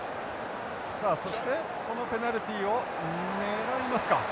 さあそしてこのペナルティを狙いますか。